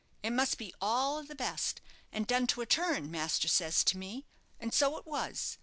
It must be all of the best, and done to a turn, master says to me; and so it was.